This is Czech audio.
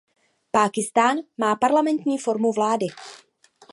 Pákistán má parlamentní formu vlády.